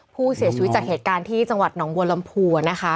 ผู้เสียชีวิตจากเหตุการณ์ที่จังหวัดหนองบัวลำพูนะคะ